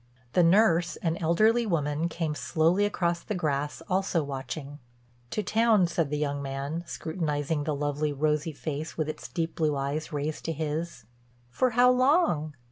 The nurse, an elderly woman, came slowly across the grass, also watching. "To town," said the young man, scrutinizing the lovely, rosy face, with its deep blue eyes raised to his. "For how long?"